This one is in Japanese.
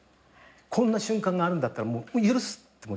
こんな瞬間があるんだったらもう許すって思っちゃう。